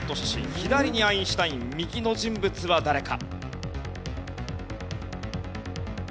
左にアインシュタイン右の人物は誰か？